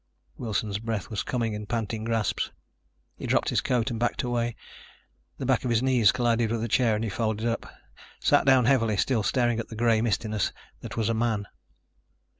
Wilson's breath was coming in panting gasps. He dropped his coat and backed away. The back of his knees collided with a chair and he folded up, sat down heavily, still staring at the gray mistiness that was a man.